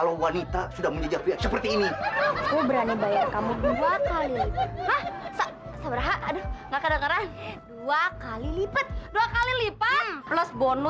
sampai jumpa di video selanjutnya